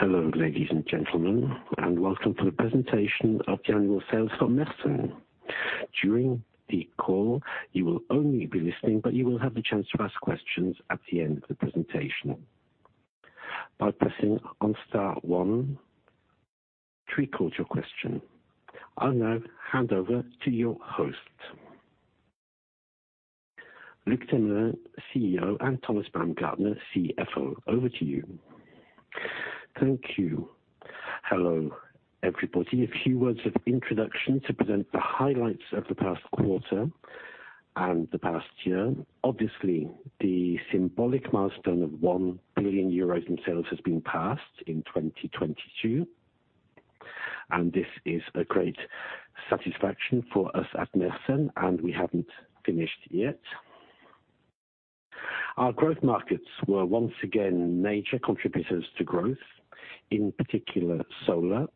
Hello, ladies and gentlemen, and welcome to the presentation of the annual sales for Mersen. During the call, you will only be listening, but you will have the chance to ask questions at the end of the presentation by pressing on star one to record your question. I'll now hand over to your host, Luc Themelin, CEO, and Thomas Baumgartner, CFO. Over to you. Thank you. Hello, everybody. A few words of introduction to present the highlights of the past quarter and the past year. Obviously, the symbolic milestone of 1 billion euros in sales has been passed in 2022, and this is a great satisfaction for us at Mersen, and we haven't finished yet. Our growth markets were once again major contributors to growth, in particular solar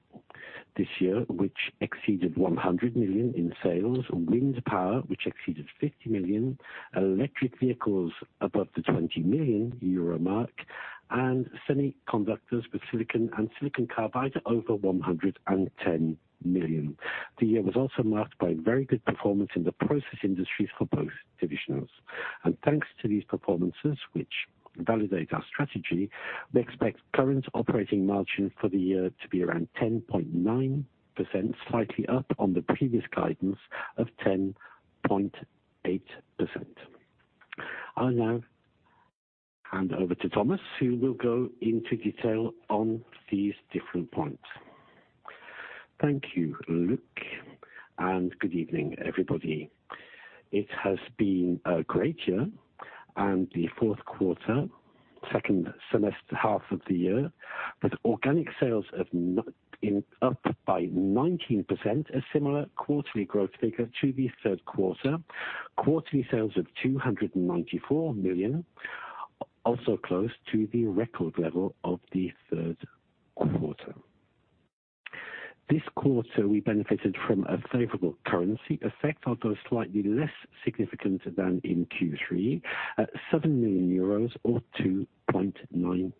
this year, which exceeded 100 million in sales, wind power, which exceeded 50 million, electric vehicles above the 20 million euro mark, and semiconductors with silicon and silicon carbide over 110 million. The year was also marked by very good performance in the process industries for both divisions. Thanks to these performances, which validate our strategy, we expect current operating margin for the year to be around 10.9%, slightly up on the previous guidance of 10.8%. I'll now hand over to Thomas, who will go into detail on these different points. Thank you, Luc, and good evening, everybody. It has been a great year, and the fourth quarter, second semester, half of the year, with organic sales up by 19%, a similar quarterly growth figure to the third quarter, quarterly sales of 294 million, also close to the record level of the third quarter. This quarter, we benefited from a favorable currency effect, although slightly less significant than in Q3, at 7 million euros or 2.9%.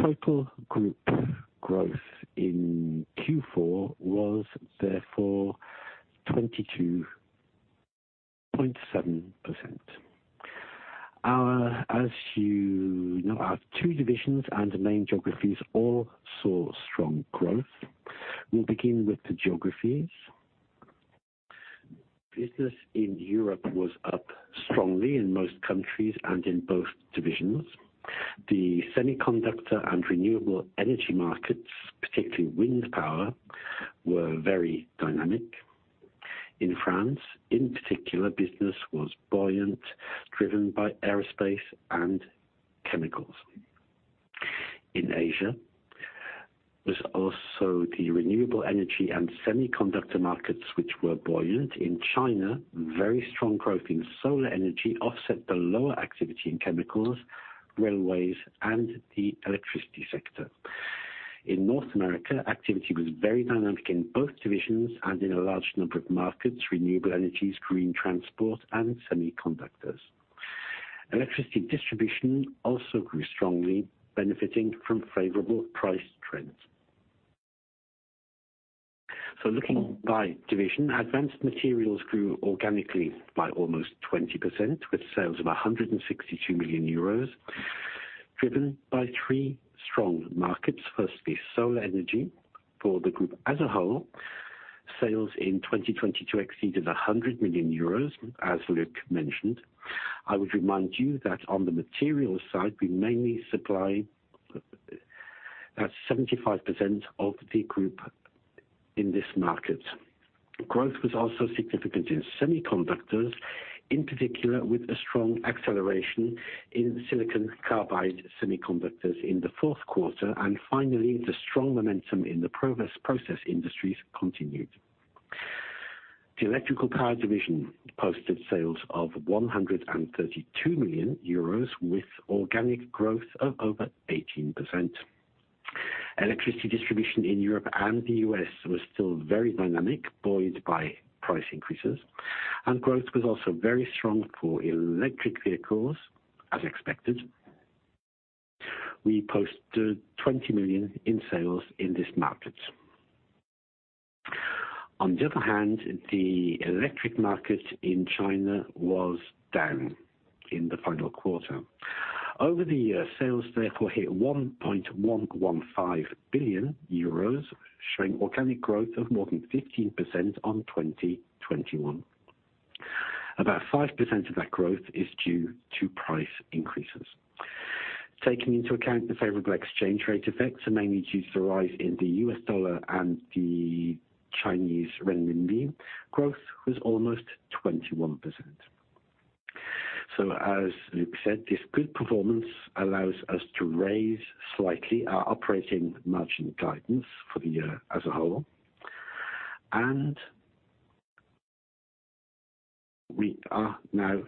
Total group growth in Q4 was therefore 22.7%. As you know, our two divisions and main geographies all saw strong growth. We'll begin with the geographies. Business in Europe was up strongly in most countries and in both divisions. The semiconductor and renewable energy markets, particularly wind power, were very dynamic. In France, in particular, business was buoyant, driven by aerospace and chemicals. In Asia, it was also the renewable energy and semiconductor markets which were buoyant. In China, very strong growth in solar energy offset the lower activity in chemicals, railways, and the electricity sector. In North America, activity was very dynamic in both divisions and in a large number of markets: renewable energies, green transport, and semiconductors. Electricity distribution also grew strongly, benefiting from favorable price trends. Looking by division, advanced materials grew organically by almost 20%, with sales of 162 million euros, driven by three strong markets. Firstly, solar energy for the group as a whole. Sales in 2022 exceeded 100 million euros, as Luc mentioned. I would remind you that on the materials side, we mainly supply, that is 75% of the group in this market. Growth was also significant in semiconductors, in particular with a strong acceleration in silicon carbide semiconductors in the fourth quarter. Finally, the strong momentum in the process industries continued. The electrical power division posted sales of 132 million euros, with organic growth of over 18%. Electricity distribution in Europe and the U.S. was still very dynamic, buoyed by price increases, and growth was also very strong for electric vehicles, as expected. We posted 20 million in sales in this market. On the other hand, the electric market in China was down in the final quarter. Over the year, sales therefore hit 1.115 billion euros, showing organic growth of more than 15% on 2021. About 5% of that growth is due to price increases. Taking into account the favorable exchange rate effects, and mainly due to the rise in the U.S. dollar and the Chinese renminbi, growth was almost 21%. As Luc said, this good performance allows us to raise slightly our operating margin guidance for the year as a whole. We are now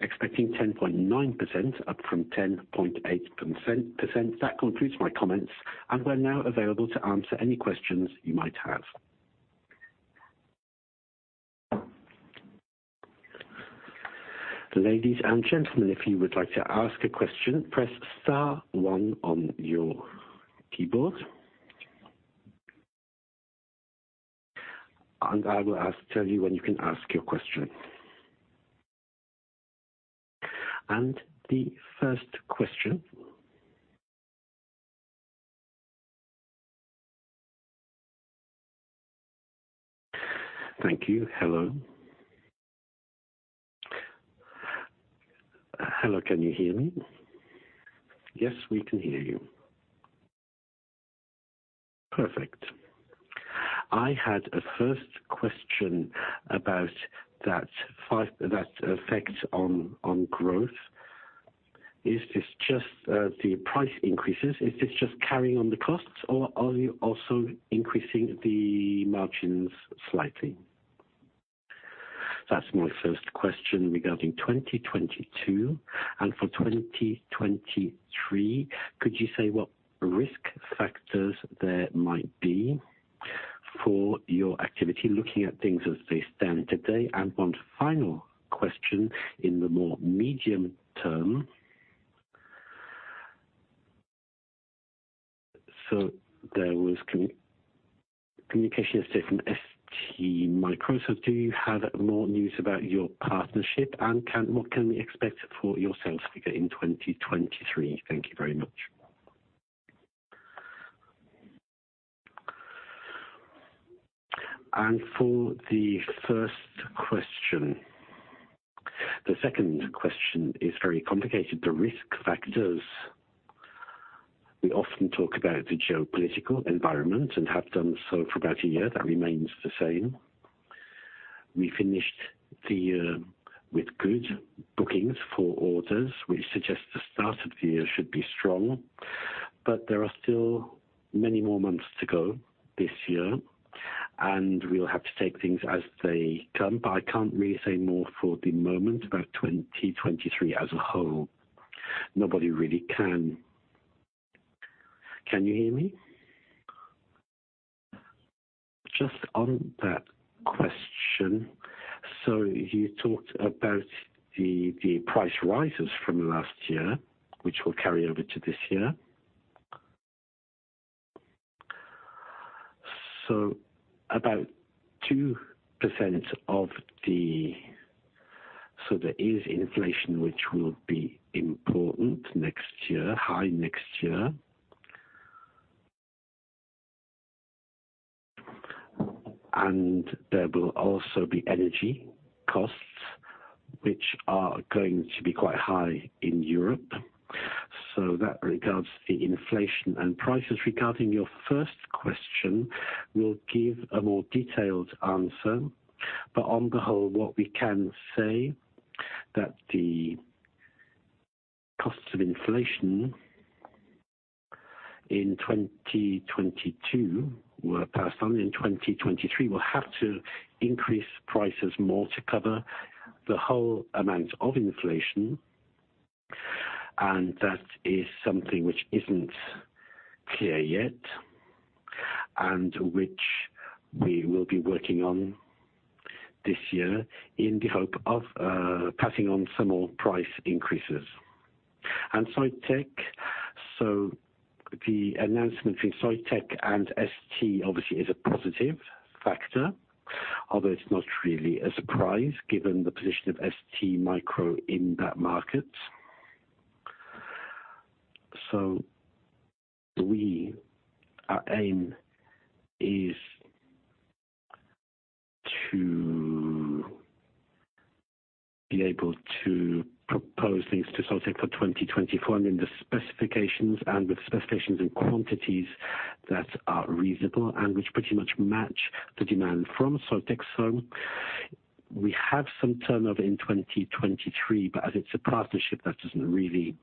expecting 10.9%, up from 10.8%. That concludes my comments, and we're now available to answer any questions you might have. Ladies and gentlemen, if you would like to ask a question, press star one on your keyboard, and I will tell you when you can ask your question. The first question. Thank you. Hello. Hello, can you hear me? Yes, we can hear you. Perfect. I had a first question about that effect on growth. Is this just the price increases? Is this just carrying on the costs, or are you also increasing the margins slightly? That's my first question regarding 2022. For 2023, could you say what risk factors there might be for your activity, looking at things as they stand today? One final question in the more medium term. There was communication from STMicroelectronics. Do you have more news about your partnership, and what can we expect for your sales figure in 2023? Thank you very much. For the first question, the second question is very complicated. The risk factors, we often talk about the geopolitical environment and have done so for about a year. That remains the same. We finished the year with good bookings for orders, which suggests the start of the year should be strong. There are still many more months to go this year, and we'll have to take things as they come. I can't really say more for the moment about 2023 as a whole. Nobody really can. Can you hear me? Just on that question, you talked about the price rises from last year, which will carry over to this year. About 2% of the, so there is inflation, which will be important next year, high next year. There will also be energy costs, which are going to be quite high in Europe. That regards the inflation and prices. Regarding your first question, we'll give a more detailed answer. On the whole, what we can say is that the costs of inflation in 2022 were passed on, and in 2023, we'll have to increase prices more to cover the whole amount of inflation. That is something which isn't clear yet and which we will be working on this year in the hope of passing on some more price increases. Soitec, the announcement from Soitec and STMicroelectronics obviously is a positive factor, although it's not really a surprise given the position of STMicroelectronics in that market. Our aim is to be able to propose things to Soitec for 2024 and in the specifications, and with specifications and quantities that are reasonable and which pretty much match the demand from Soitec. We have some turnover in 2023, but as it's a partnership, that doesn't really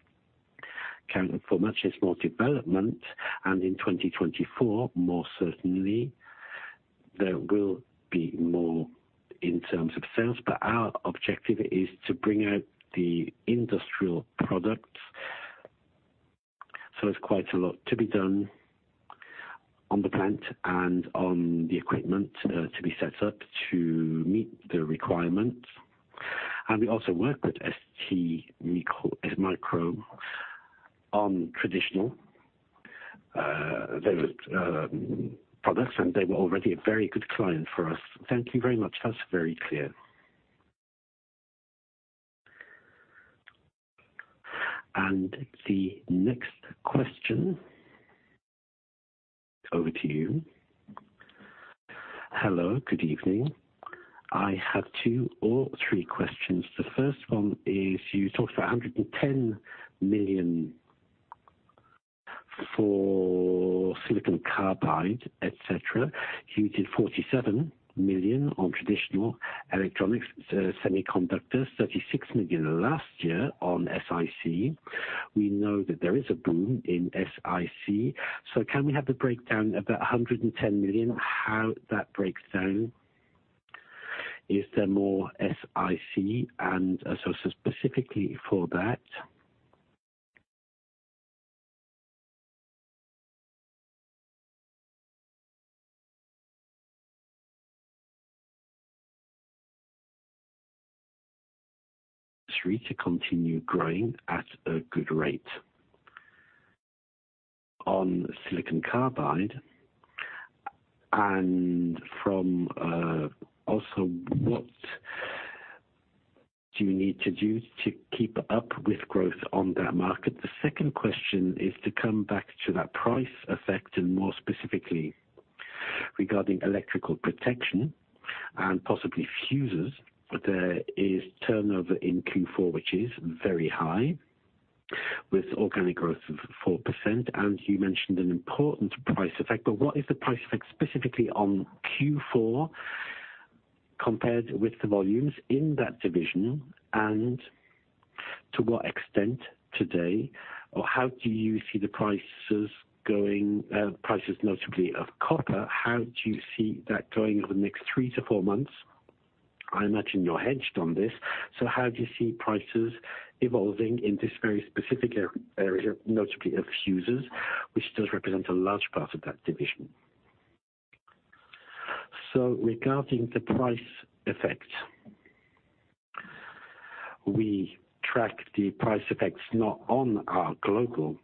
count for much. It's more development. In 2024, more certainly, there will be more in terms of sales. Our objective is to bring out the industrial products. There's quite a lot to be done on the plant and on the equipment to be set up to meet the requirements. We also work with STMicroelectronics on traditional products, and they were already a very good client for us. Thank you very much. That's very clear. The next question, over to you. Hello, good evening. I have two or three questions. The first one is you talked about 110 million for silicon carbide, etc. You did 47 million on traditional electronics, semiconductors, 36 million last year on SiC. We know that there is a boom in SiC. Can we have the breakdown of that 110 million, how that breaks down? Is there more SiC and associated specifically for that? Three to continue growing at a good rate on silicon carbide. Also, what do you need to do to keep up with growth on that market? The second question is to come back to that price effect and more specifically regarding electrical protection and possibly fuses. There is turnover in Q4, which is very high, with organic growth of 4%. You mentioned an important price effect. What is the price effect specifically on Q4 compared with the volumes in that division, and to what extent today, or how do you see the prices going, prices notably of copper? How do you see that going over the next three to four months? I imagine you're hedged on this. How do you see prices evolving in this very specific area, notably of fuses, which does represent a large part of that division? Regarding the price effect, we track the price effects not on our global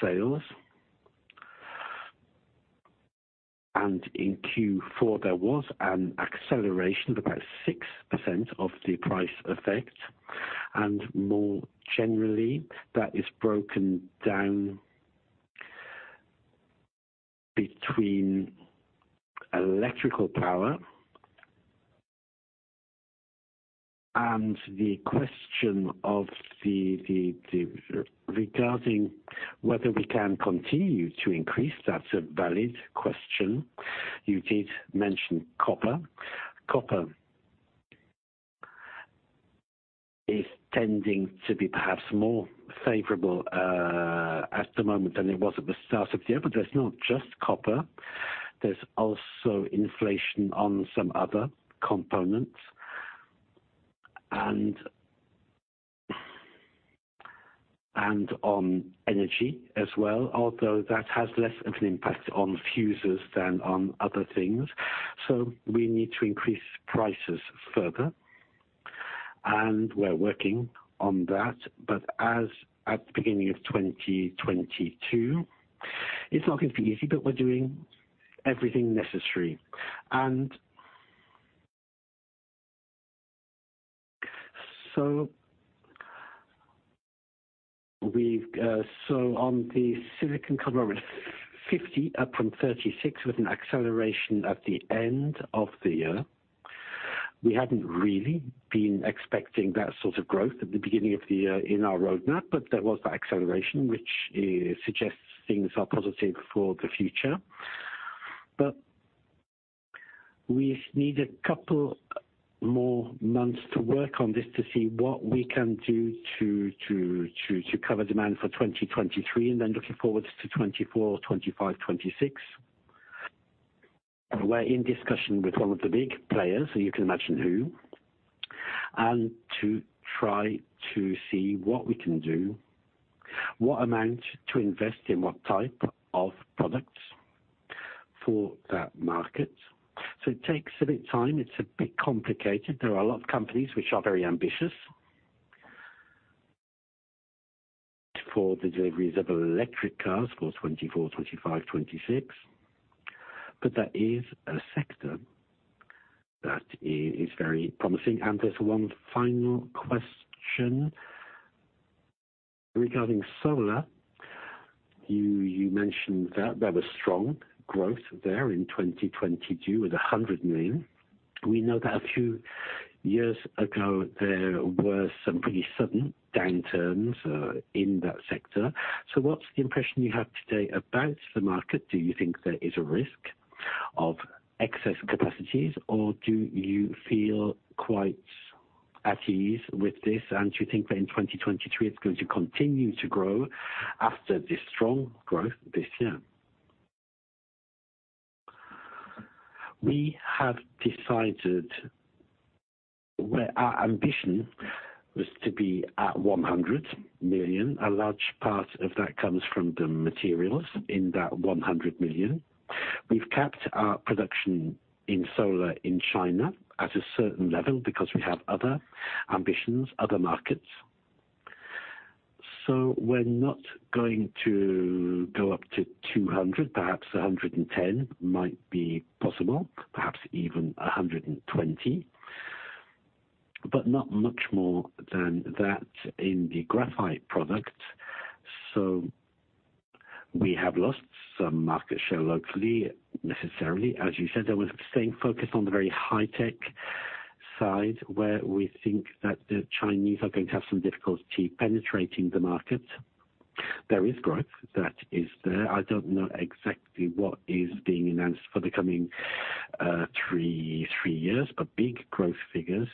sales. In Q4, there was an acceleration of about 6% of the price effect. More generally, that is broken down between electrical power and the question of regarding whether we can continue to increase. That's a valid question. You did mention copper. Copper is tending to be perhaps more favorable at the moment than it was at the start of the year. There is not just copper. There is also inflation on some other components and on energy as well, although that has less of an impact on fuses than on other things. We need to increase prices further. We are working on that. As at the beginning of 2022, it is not going to be easy, but we are doing everything necessary. On the silicon carbide, 50 up from 36 with an acceleration at the end of the year. We had not really been expecting that sort of growth at the beginning of the year in our roadmap, but there was that acceleration, which suggests things are positive for the future. We need a couple more months to work on this to see what we can do to cover demand for 2023 and then looking forward to 2024, 2025, 2026. We are in discussion with one of the big players, and you can imagine who. We are trying to see what we can do, what amount to invest in what type of products for that market. It takes a bit of time. It is a bit complicated. There are a lot of companies which are very ambitious for the deliveries of electric cars for 2024, 2025, 2026. That is a sector that is very promising. There is one final question regarding solar. You mentioned that there was strong growth there in 2022 with 100 million. We know that a few years ago, there were some pretty sudden downturns in that sector. What is the impression you have today about the market? Do you think there is a risk of excess capacities, or do you feel quite at ease with this? Do you think that in 2023, it is going to continue to grow after this strong growth this year? We have decided our ambition was to be at 100 million. A large part of that comes from the materials in that 100 million. We have kept our production in solar in China at a certain level because we have other ambitions, other markets. We are not going to go up to 200. Perhaps 110 might be possible, perhaps even 120. Not much more than that in the graphite product. We have lost some market share locally, necessarily. As you said, we're staying focused on the very high-tech side where we think that the Chinese are going to have some difficulty penetrating the market. There is growth that is there. I don't know exactly what is being announced for the coming three years, but big growth figures.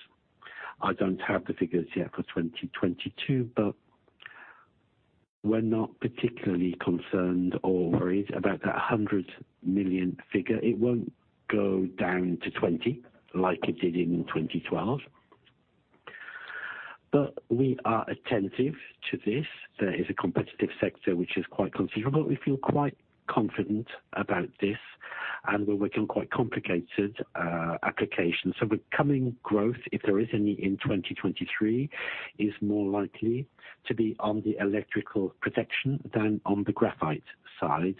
I don't have the figures yet for 2022, but we're not particularly concerned or worried about that 100 million figure. It won't go down to 20 like it did in 2012. We are attentive to this. There is a competitive sector which is quite considerable. We feel quite confident about this, and we're working on quite complicated applications. The coming growth, if there is any in 2023, is more likely to be on the electrical protection than on the graphite side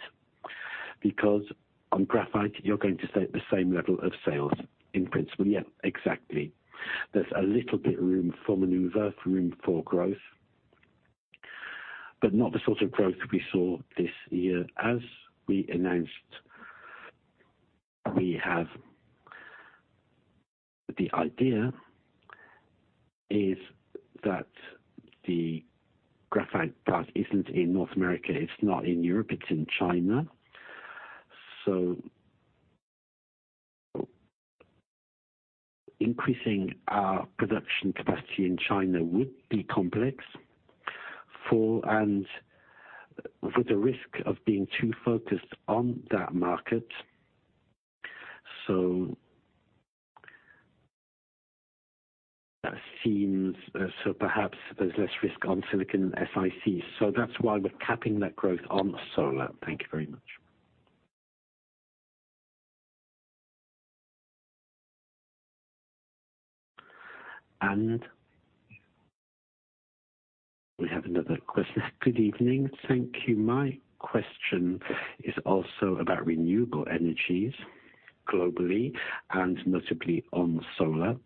because on graphite, you're going to stay at the same level of sales in principle. Yeah, exactly. There's a little bit of room for maneuver, room for growth, but not the sort of growth we saw this year. As we announced, we have the idea that the graphite plant isn't in North America. It's not in Europe. It's in China. Increasing our production capacity in China would be complex and with a risk of being too focused on that market. That seems so perhaps there's less risk on silicon and SiC. That's why we're capping that growth on solar. Thank you very much. We have another question. Good evening. Thank you. My question is also about renewable energies globally and notably on solar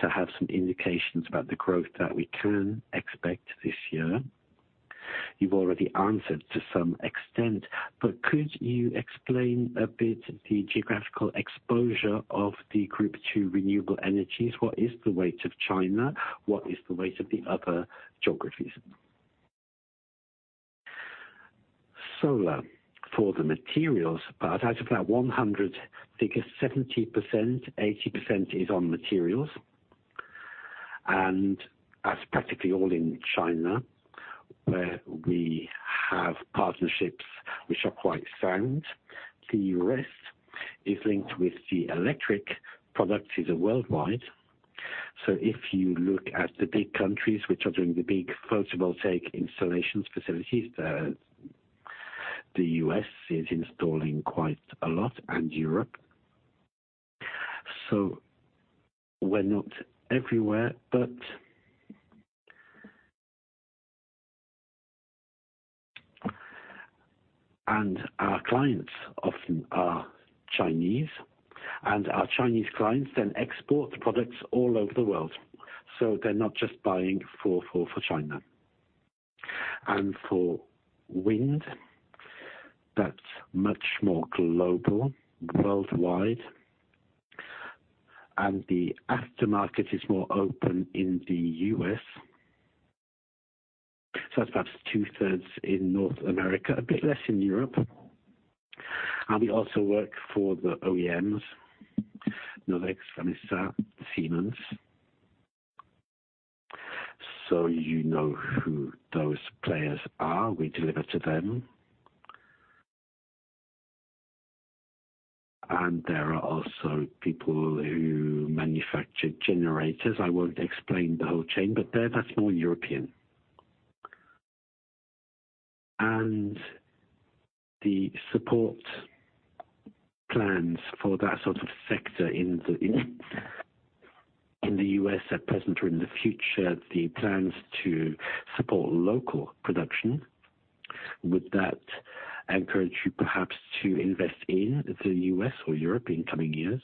to have some indications about the growth that we can expect this year. You've already answered to some extent, but could you explain a bit the geographical exposure of the group to renewable energies? What is the weight of China? What is the weight of the other geographies? Solar for the materials, but out of that 100 figures, 70%-80% is on materials. And that's practically all in China where we have partnerships which are quite sound. The rest is linked with the electric products is worldwide. If you look at the big countries which are doing the big photovoltaic installation facilities, the U.S. is installing quite a lot and Europe. We're not everywhere, but our clients often are Chinese. Our Chinese clients then export products all over the world. They're not just buying for China. For wind, that's much more global, worldwide. The aftermarket is more open in the U.S. That's perhaps two-thirds in North America, a bit less in Europe. We also work for the OEMs, Nordex, Vestas, Siemens. You know who those players are. We deliver to them. There are also people who manufacture generators. I will not explain the whole chain, but that is more European. The support plans for that sort of sector in the U.S. at present or in the future, the plans to support local production, would that encourage you perhaps to invest in the U.S. or Europe in coming years?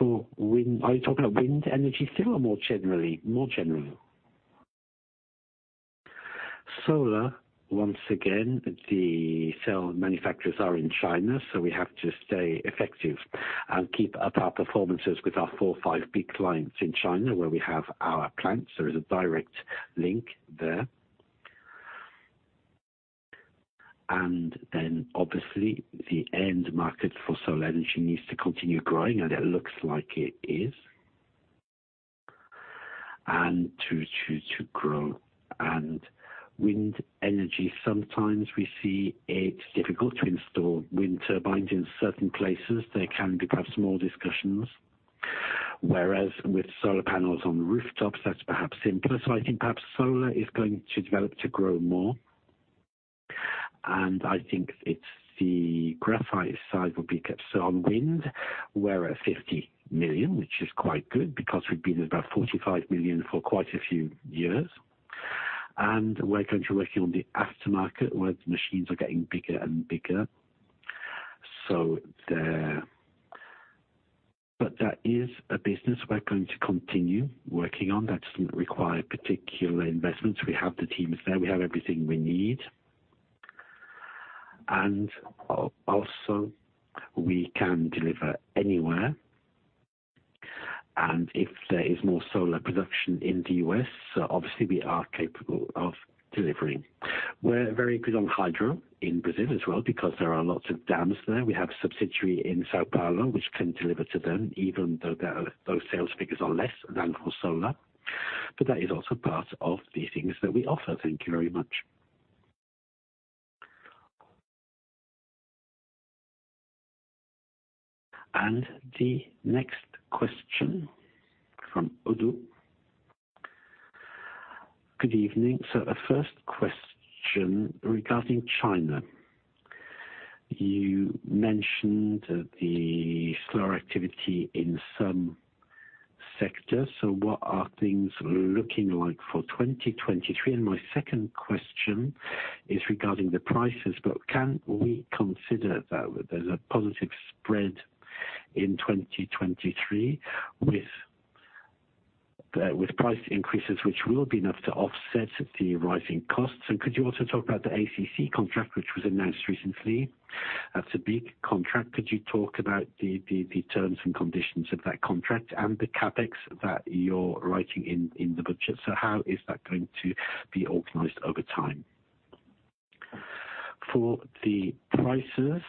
Are you talking about wind energy still or more generally? More generally. Solar, once again, the cell manufacturers are in China, so we have to stay effective and keep up our performances with our four, five big clients in China where we have our plants. There is a direct link there. Obviously, the end market for solar energy needs to continue growing, and it looks like it is, and to grow. Wind energy, sometimes we see it is difficult to install wind turbines in certain places. There can be perhaps more discussions. Whereas with solar panels on rooftops, that's perhaps simpler. I think perhaps solar is going to develop to grow more. I think it's the graphite side that will be kept on wind, where 50 million, which is quite good because we've been at about 45 million for quite a few years. We're going to be working on the aftermarket where the machines are getting bigger and bigger. That is a business we're going to continue working on. That doesn't require particular investments. We have the teams there. We have everything we need. Also, we can deliver anywhere. If there is more solar production in the United States, obviously, we are capable of delivering. We're very good on hydro in Brazil as well because there are lots of dams there. We have a subsidiary in São Paulo which can deliver to them, even though those sales figures are less than for solar. That is also part of the things that we offer. Thank you very much. The next question from Oddo. Good evening. A first question regarding China. You mentioned the slower activity in some sectors. What are things looking like for 2023? My second question is regarding the prices. Can we consider that there's a positive spread in 2023 with price increases which will be enough to offset the rising costs? Could you also talk about the ACC contract which was announced recently? That's a big contract. Could you talk about the terms and conditions of that contract and the CapEx that you're writing in the budget? How is that going to be organized over time? For the prices.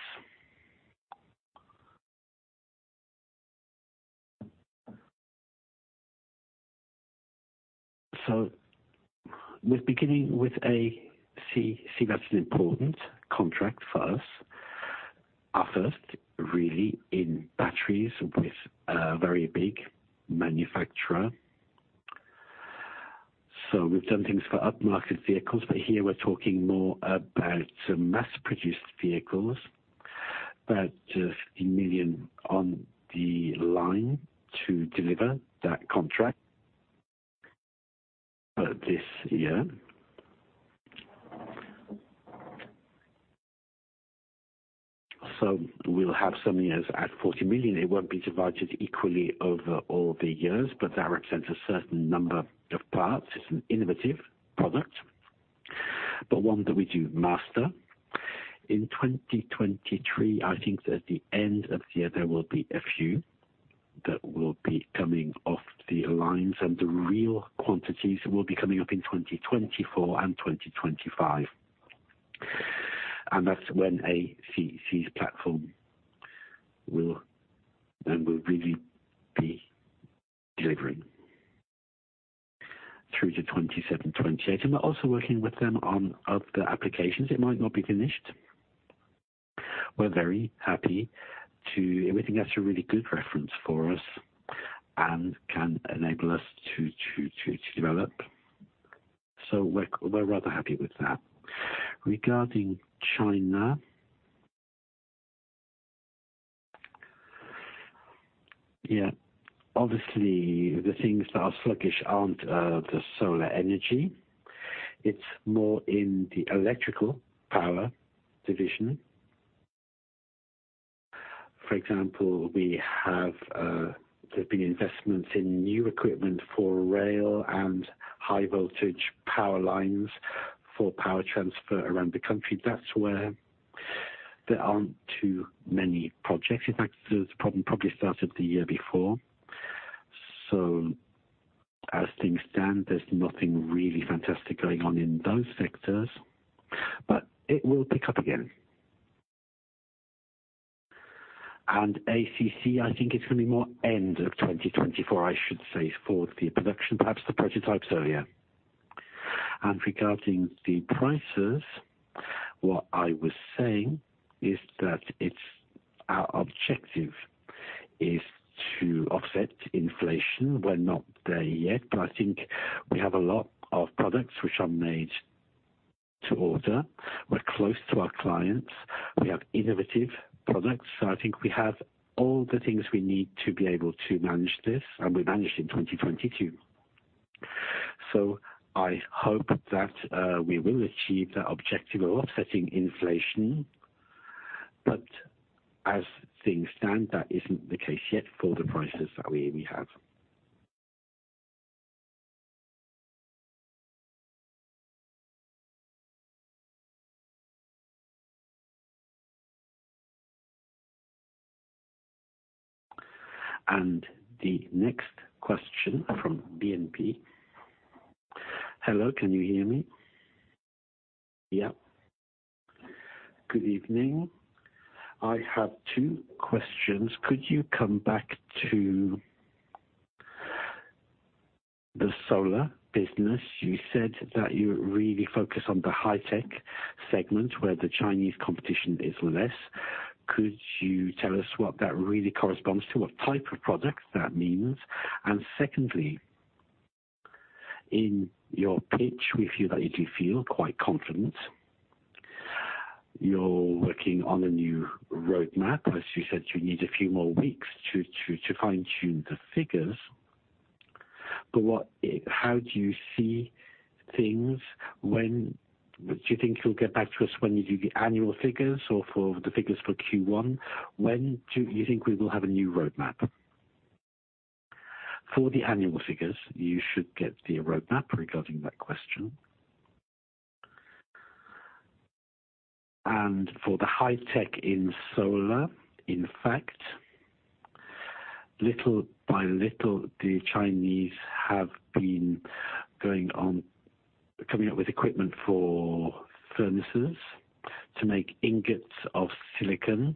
We're beginning with a C that's an important contract for us, our first really in batteries with a very big manufacturer. We've done things for upmarket vehicles, but here we're talking more about mass-produced vehicles. $50 million on the line to deliver that contract this year. We'll have some years at 40 million. It won't be divided equally over all the years, but that represents a certain number of parts. It's an innovative product, but one that we do master. In 2023, I think at the end of the year, there will be a few that will be coming off the lines. The real quantities will be coming up in 2024 and 2025. That's when ACC's platform will really be delivering through to 2027, 2028. We're also working with them on other applications. It might not be finished. We're very happy to everything that's a really good reference for us and can enable us to develop. We're rather happy with that. Regarding China. Yeah. Obviously, the things that are sluggish aren't the solar energy. It's more in the electrical power division. For example, there have been investments in new equipment for rail and high-voltage power lines for power transfer around the country. That's where there aren't too many projects. In fact, the problem probably started the year before. As things stand, there's nothing really fantastic going on in those sectors. It will pick up again. ACC, I think it's going to be more end of 2024, I should say, for the production, perhaps the prototypes earlier. Regarding the prices, what I was saying is that our objective is to offset inflation. We're not there yet, but I think we have a lot of products which are made to order. We're close to our clients. We have innovative products. I think we have all the things we need to be able to manage this, and we managed in 2022. I hope that we will achieve that objective of offsetting inflation. As things stand, that isn't the case yet for the prices that we have. The next question from BNP. Hello. Can you hear me? Yeah. Good evening. I have two questions. Could you come back to the solar business? You said that you really focus on the high-tech segment where the Chinese competition is less. Could you tell us what that really corresponds to, what type of products that means? Secondly, in your pitch, we feel that you do feel quite confident. You're working on a new roadmap. As you said, you need a few more weeks to fine-tune the figures. How do you see things? Do you think you'll get back to us when you do the annual figures or for the figures for Q1? When do you think we will have a new roadmap? For the annual figures, you should get the roadmap regarding that question. For the high-tech in solar, in fact, little by little, the Chinese have been coming up with equipment for furnaces to make ingots of silicon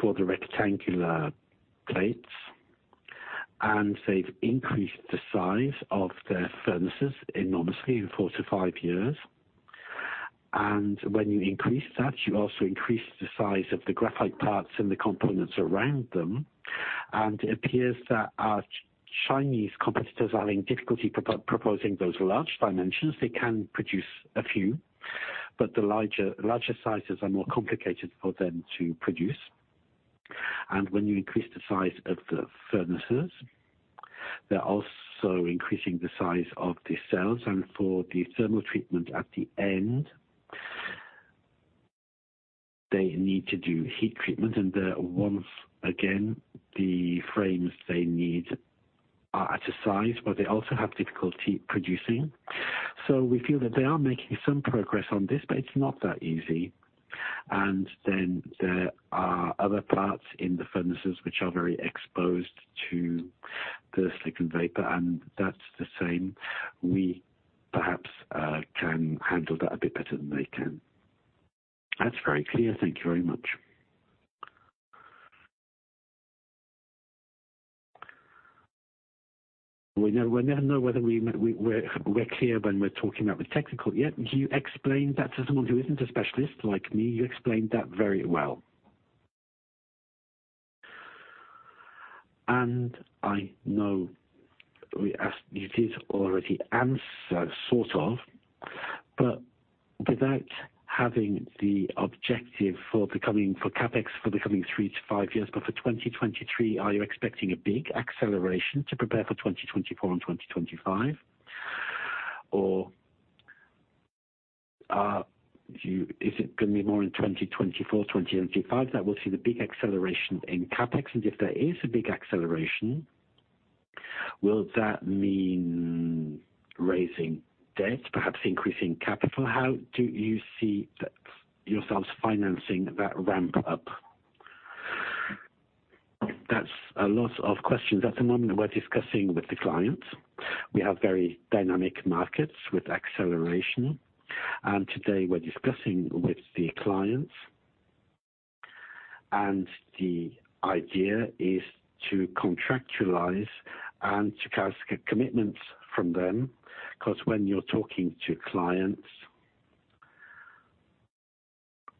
for the rectangular plates. They have increased the size of their furnaces enormously in four to five years. When you increase that, you also increase the size of the graphite parts and the components around them. It appears that our Chinese competitors are having difficulty proposing those large dimensions. They can produce a few, but the larger sizes are more complicated for them to produce. When you increase the size of the furnaces, they're also increasing the size of the cells. For the thermal treatment at the end, they need to do heat treatment. Once again, the frames they need are at a size where they also have difficulty producing. We feel that they are making some progress on this, but it's not that easy. There are other parts in the furnaces which are very exposed to the silicon vapor. That's the same. We perhaps can handle that a bit better than they can. That's very clear. Thank you very much. We never know whether we're clear when we're talking about the technical. Yep. You explained that to someone who isn't a specialist like me. You explained that very well. I know you did already answer sort of, but without having the objective for CapEx for the coming three to five years, but for 2023, are you expecting a big acceleration to prepare for 2024 and 2025? Is it going to be more in 2024, 2025 that will see the big acceleration in CapEx? If there is a big acceleration, will that mean raising debt, perhaps increasing capital? How do you see yourselves financing that ramp-up? That's a lot of questions. At the moment, we're discussing with the clients. We have very dynamic markets with acceleration. Today, we're discussing with the clients. The idea is to contractualize and to ask commitments from them because when you're talking to clients,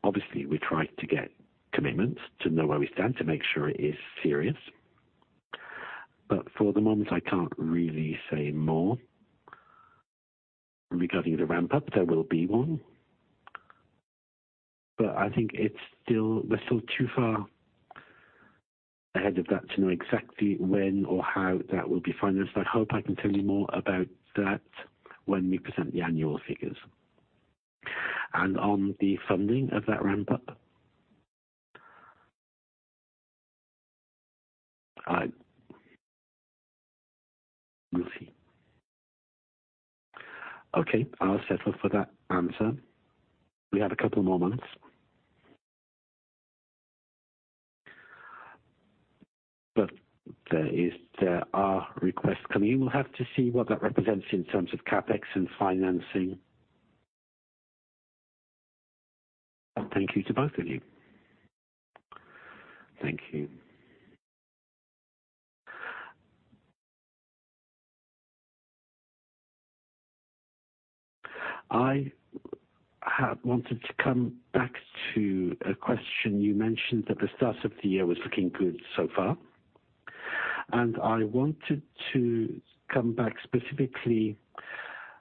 obviously, we try to get commitments to know where we stand, to make sure it is serious. For the moment, I can't really say more regarding the ramp-up. There will be one. I think we're still too far ahead of that to know exactly when or how that will be financed. I hope I can tell you more about that when we present the annual figures. On the funding of that ramp-up? We'll see. Okay. I'll settle for that answer. We have a couple more months. There are requests coming in. We'll have to see what that represents in terms of CapEx and financing. Thank you to both of you. Thank you. I wanted to come back to a question you mentioned at the start of the year was looking good so far. I wanted to come back specifically,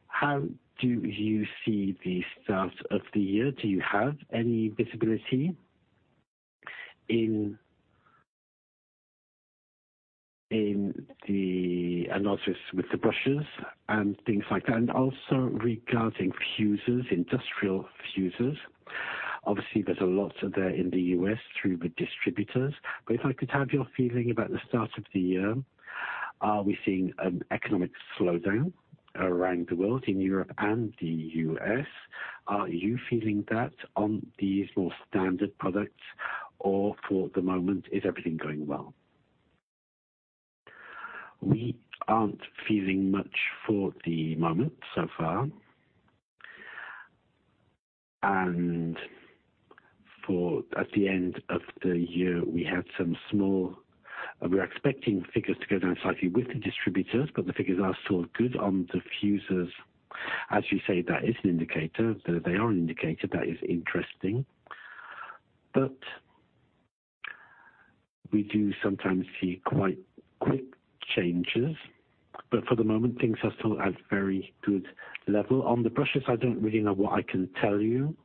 how do you see the start of the year? Do you have any visibility in the analysis with the brushes and things like that? Also regarding fuses, industrial fuses. Obviously, there is a lot there in the U.S. through the distributors. If I could have your feeling about the start of the year, are we seeing an economic slowdown around the world in Europe and the U.S.? Are you feeling that on these more standard products, or for the moment, is everything going well? We are not feeling much for the moment so far. At the end of the year, we had some small, we are expecting figures to go down slightly with the distributors, but the figures are still good on the fuses. As you say, that is an indicator. They are an indicator. That is interesting. We do sometimes see quite quick changes. For the moment, things are still at a very good level. On the brushes, I don't really know what I can tell you.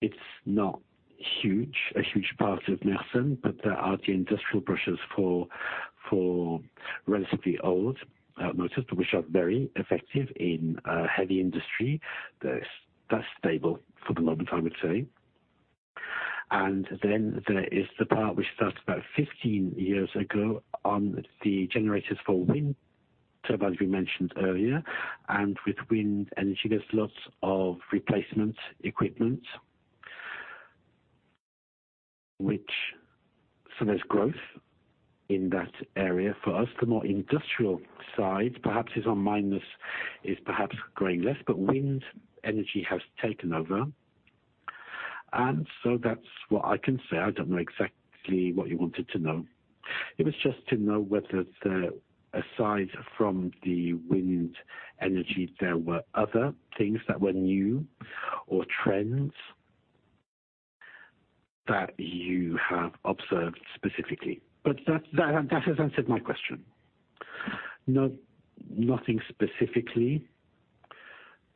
It's not a huge part of Mersen, but there are the industrial brushes for relatively old motors, which are very effective in heavy industry. That's stable for the moment, I would say. There is the part which started about 15 years ago on the generators for wind turbines we mentioned earlier. With wind energy, there's lots of replacement equipment, which means there's growth in that area for us. The more industrial side, perhaps it's on minus, is perhaps growing less, but wind energy has taken over. That's what I can say. I don't know exactly what you wanted to know. It was just to know whether aside from the wind energy, there were other things that were new or trends that you have observed specifically. That has answered my question. Nothing specifically.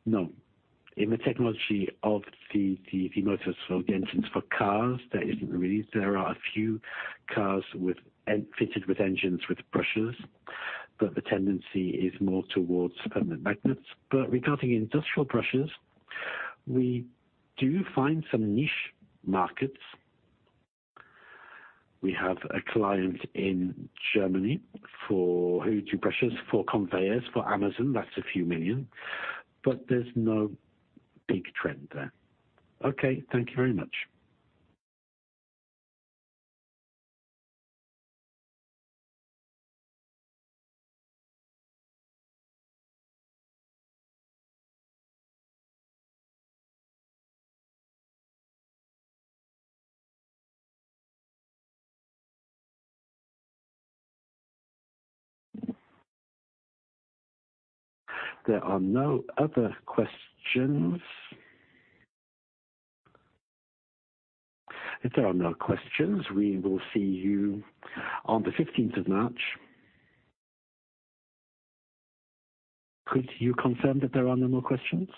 No. In the technology of the motors for the engines for cars, there isn't really. There are a few cars fitted with engines with brushes, but the tendency is more towards permanent magnets. Regarding industrial brushes, we do find some niche markets. We have a client in Germany who do brushes for conveyors for Amazon. That's a few million. There is no big trend there. Okay. Thank you very much. There are no other questions. If there are no questions, we will see you on the 15th of March. Could you confirm that there are no more questions?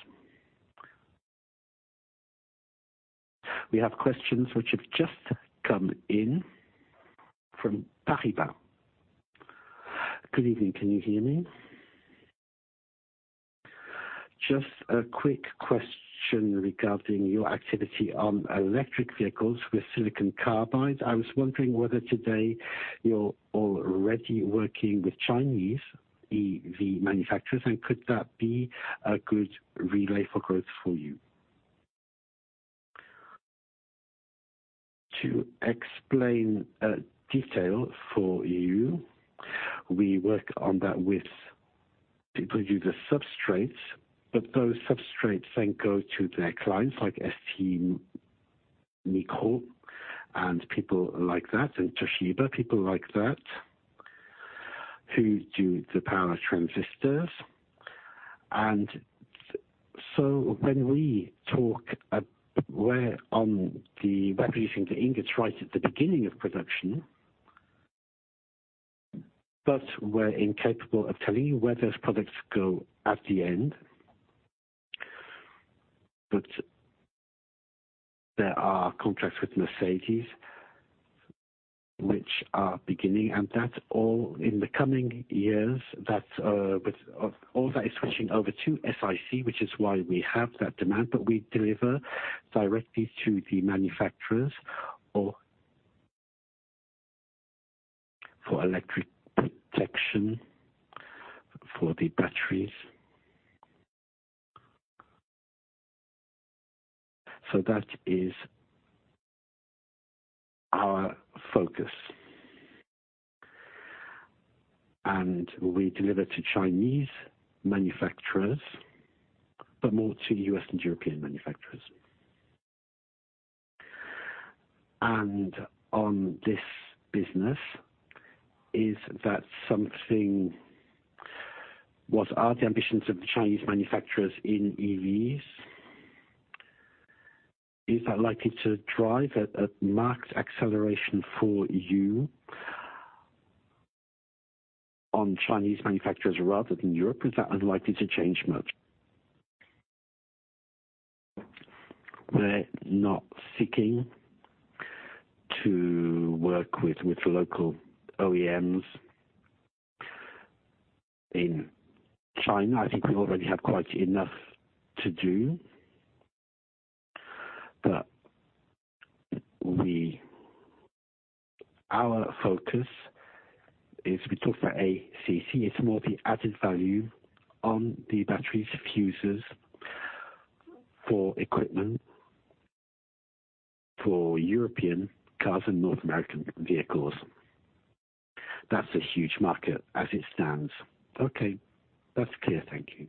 We have questions which have just come in from Paribas. Good evening. Can you hear me? Just a quick question regarding your activity on electric vehicles with silicon carbide. I was wondering whether today you're already working with Chinese EV manufacturers, and could that be a good relay for growth for you? To explain a detail for you, we work on that with people who do the substrates, but those substrates then go to their clients like STMicro and people like that, and Toshiba, people like that, who do the power transistors. When we talk, we're producing the ingots right at the beginning of production, but we're incapable of telling you where those products go at the end. There are contracts with Mercedes, which are beginning, and that's all in the coming years. All that is switching over to SiC, which is why we have that demand. We deliver directly to the manufacturers for electric protection for the batteries. That is our focus. We deliver to Chinese manufacturers, but more to US and European manufacturers. On this business, is that something? What are the ambitions of the Chinese manufacturers in EVs? Is that likely to drive a marked acceleration for you on Chinese manufacturers rather than Europe? Is that unlikely to change much? We're not seeking to work with local OEMs in China. I think we already have quite enough to do. Our focus is we talk about ACC (unconfirmed). It's more the added value on the batteries, fuses, for equipment for European cars and North American vehicles. That's a huge market as it stands. Okay. That's clear. Thank you.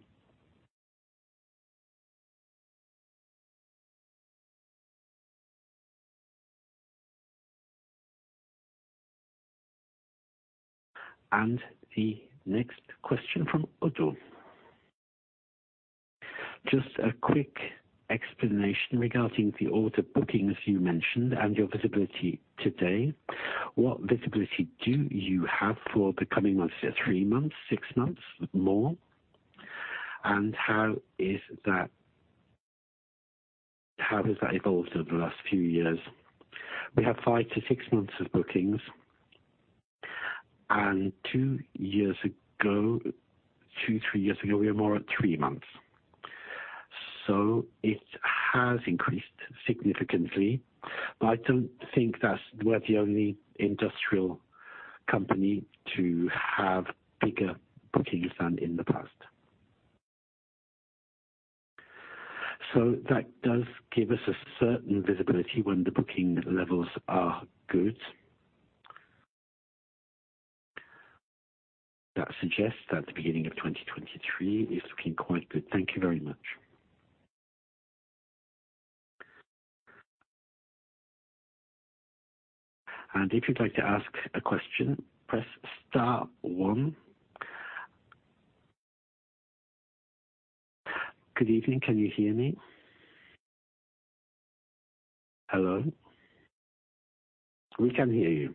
The next question from Oddo. Just a quick explanation regarding the order bookings you mentioned and your visibility today. What visibility do you have for the coming months, three months, six months, more? How has that evolved over the last few years? We have five to six months of bookings. Two years ago, two, three years ago, we were more at three months. It has increased significantly. I do not think that we are the only industrial company to have bigger bookings than in the past. That does give us a certain visibility when the booking levels are good. That suggests that the beginning of 2023 is looking quite good. Thank you very much. If you would like to ask a question, press star one. Good evening. Can you hear me? Hello? We can hear you.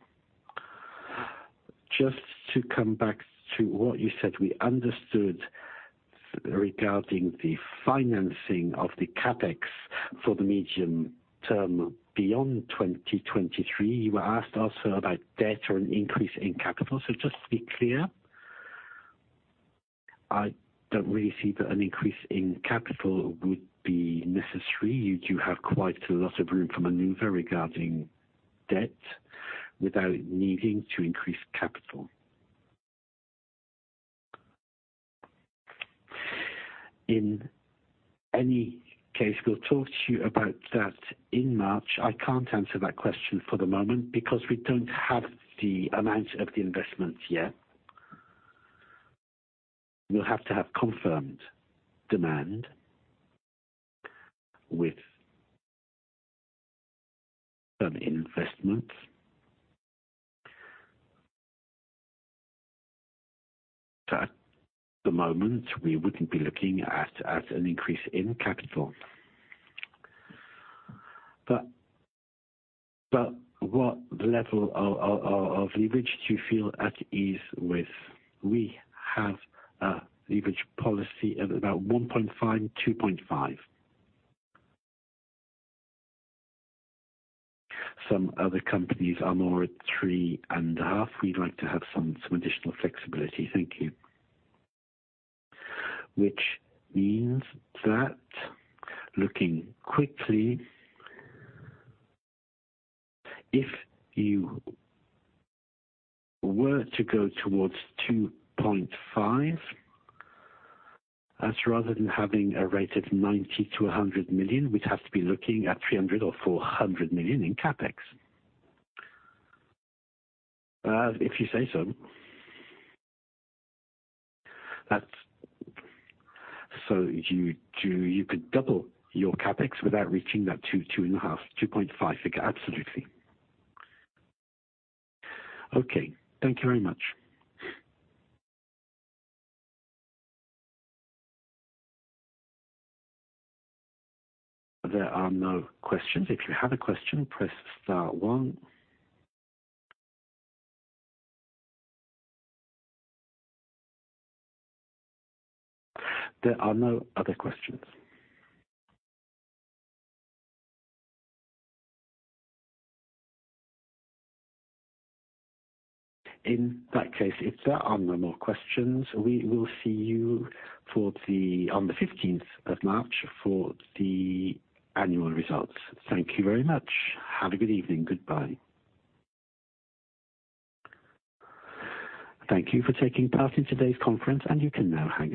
Just to come back to what you said, we understood regarding the financing of the CapEx for the medium term beyond 2023. You were asked also about debt or an increase in capital. Just to be clear, I don't really see that an increase in capital would be necessary. You do have quite a lot of room for maneuver regarding debt without needing to increase capital. In any case, we'll talk to you about that in March. I can't answer that question for the moment because we don't have the amount of the investment yet. We'll have to have confirmed demand with some investments. At the moment, we wouldn't be looking at an increase in capital. What level of leverage do you feel at ease with? We have a leverage policy of about 1.5-2.5. Some other companies are more at 3.5. We'd like to have some additional flexibility. Thank you. Which means that, looking quickly, if you were to go towards 2.5, that's rather than having a rate of 90-100 million, we'd have to be looking at 300-400 million in CapEx. If you say so. You could double your CapEx without reaching that 2, 2 and a half, 2.5 figure. Absolutely. Okay. Thank you very much. There are no questions. If you have a question, press star one. There are no other questions. In that case, if there are no more questions, we will see you on the 15th of March for the annual results. Thank you very much. Have a good evening. Goodbye. Thank you for taking part in today's conference, and you can now hang.